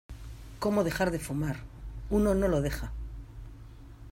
como dejar de fumar. uno no lo deja